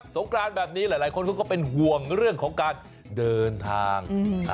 งกรานแบบนี้หลายคนก็เป็นห่วงเรื่องของการเดินทาง